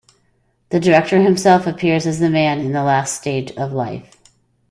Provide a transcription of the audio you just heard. The director himself appears as the man in the last stage of life.